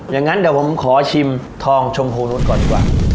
อย่างนั้นเดี๋ยวผมขอชิมทองชมพูนู้นก่อนดีกว่า